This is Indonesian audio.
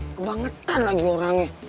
kebangetan lagi orangnya